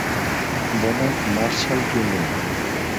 Donald Marshall Jr.